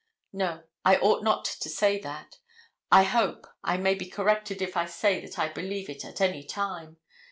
No, I ought not to say that. I hope, I may be corrected if I say that I believe it at any time.